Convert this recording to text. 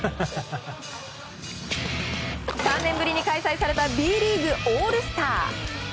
３年ぶりに開催されたＢリーグオールスター。